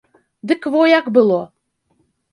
Дык во як было.